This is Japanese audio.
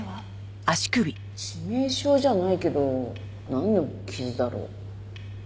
致命傷じゃないけどなんの傷だろう？